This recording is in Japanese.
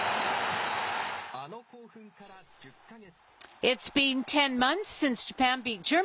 あの興奮から１０か月。